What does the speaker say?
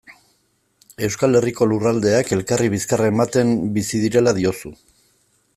Euskal Herriko lurraldeak elkarri bizkarra ematen bizi direla diozu.